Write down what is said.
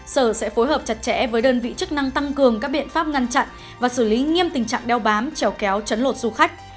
sở sẽ phối hợp chặt chẽ với đơn vị chức năng tăng cường các biện pháp ngăn chặn và xử lý nghiêm tình trạng đeo bám trèo kéo chấn lột du khách